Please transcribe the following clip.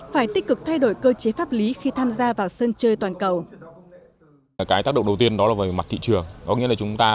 phải tích cực thay đổi cơ chế pháp lý khi tham gia vào sân chơi toàn cầu